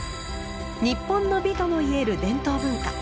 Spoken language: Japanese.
日本の美ともいえる伝統文化。